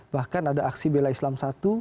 bahkan ada aksi bela islam satu dua tiga